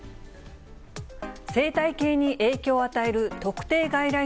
生態系に影響を与える特定外来